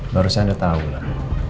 baru saya udah tahu lah